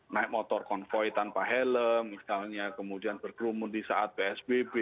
naik motor konvoy tanpa helm misalnya kemudian berkerumun di saat psbb